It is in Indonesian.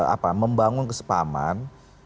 apa membangun kesepahaman